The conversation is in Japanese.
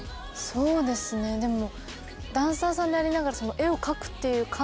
そうですねでも。